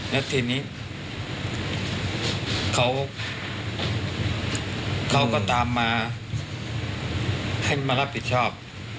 แล้วทีนี้เขาก็ตามมาให้มารับผิดชอบ